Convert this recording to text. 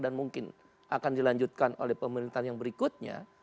dan mungkin akan dilanjutkan oleh pemerintahan yang berikutnya